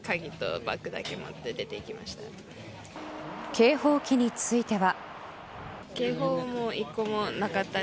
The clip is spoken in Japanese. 警報器については。